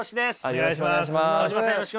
よろしくお願いします。